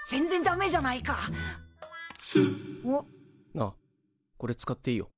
あっこれ使っていいよ。